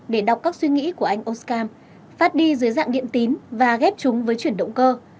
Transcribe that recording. để đọc các suy nghĩ của anh oscarm phát đi dưới dạng điện tín và ghép chúng với chuyển động cơ